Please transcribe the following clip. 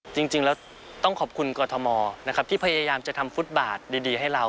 จริงแล้วต้องขอบคุณกรทมนะครับที่พยายามจะทำฟุตบาทดีให้เรา